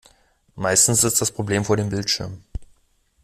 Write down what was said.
Meistens sitzt das Problem vor dem Bildschirm.